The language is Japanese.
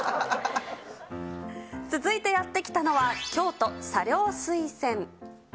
続いてやって来たのは、京都茶寮翠泉。